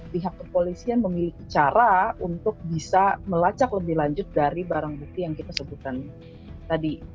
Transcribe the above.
pihak kepolisian memiliki cara untuk bisa melacak lebih lanjut dari barang bukti yang kita sebutkan tadi